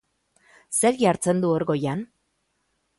Zer jartzen du hor goian?